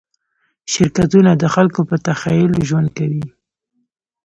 شرکتونه د خلکو په تخیل ژوند کوي.